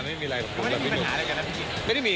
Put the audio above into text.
ไม่มีไรอย่างปกดี